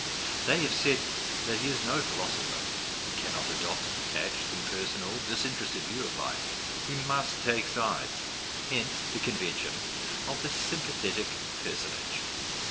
They have said that he is no philosopher ; he cannot adopt a detached, impersonal, disinterested view of life ; he must take sides. Hence the conven tion of the '' sympathetic personage."